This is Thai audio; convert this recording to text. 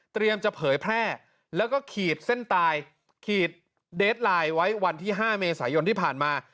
จะเผยแพร่แล้วก็ขีดเส้นตายขีดเดสไลน์ไว้วันที่๕เมษายนที่ผ่านมา